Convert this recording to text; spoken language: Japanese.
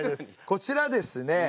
こちらですね